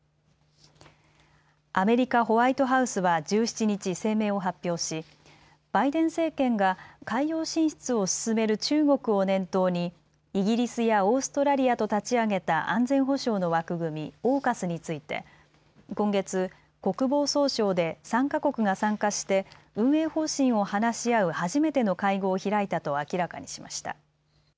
アメリカ、ホワイトハウスは１７日、声明を発表しバイデン政権が海洋進出を進める中国を念頭にイギリスやオーストラリアと立ち上げた安全保障の枠組み、ＡＵＫＵＳについて今月、国防総省で３か国が参加して運営方針を話し合う初めての会合を開いたと明らかにしました。